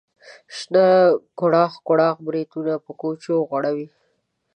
شنه کوړاخ کوړاخ بریتونه په کوچو غوړوي.